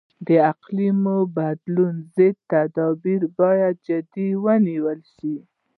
د اقلیمي بدلون ضد تدابیر باید جدي ونیول شي.